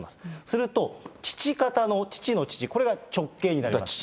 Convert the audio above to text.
すると、父方の父の父、これが直系になります。